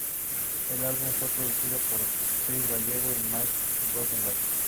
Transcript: El álbum fue producido por Chris Vallejo y Mike Rosenberg.